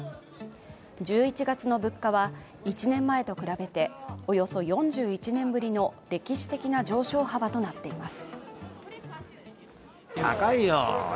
１１月の物価は、１年前と比べておよそ４１年ぶりの歴史的な上昇幅となっています。